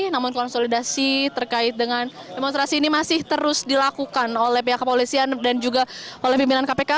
namun konsolidasi terkait dengan demonstrasi ini masih terus dilakukan oleh pihak kepolisian dan juga oleh pimpinan kpk